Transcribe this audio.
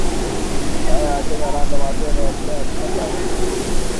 raia wa Kenya Ramadan Otyeno alisema Jumatatu